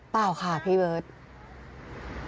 เปล่าค่ะพี่เบิร์ต